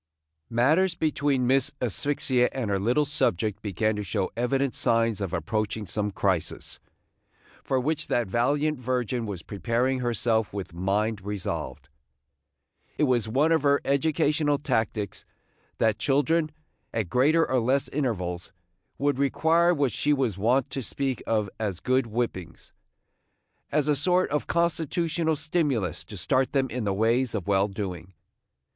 MATTERS between Miss Asphyxia and her little subject began to show evident signs of approaching some crisis, for which that valiant virgin was preparing herself with mind resolved. It was one of her educational tactics that children, at greater or less intervals, would require what she was wont to speak of as good whippings, as a sort of constitutional stimulus to start them in the ways of well doing.